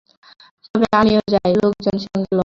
তবে আমিও যাই, লোকজন সঙ্গে লউন।